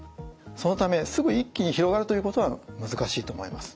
そのためすぐ一気に広がるということは難しいと思います。